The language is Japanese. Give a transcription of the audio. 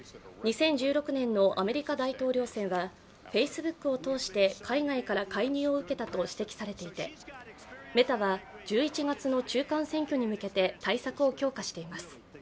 ２０１６年のアメリカ大統領選はＦａｃｅｂｏｏｋを通して海外から介入を受けたと指摘されていてメタは１１月の中間選挙に向けて対策を強化しています。